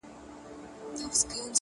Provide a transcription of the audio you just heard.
دا هم له تا جار دی، اې وطنه زوروره.